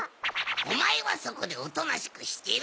おまえはそこでおとなしくしてろ！